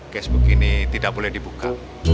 facebook ini tidak boleh dibuka